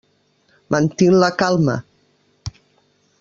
Mantín la calma.